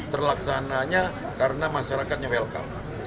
terlaksananya karena masyarakatnya welcome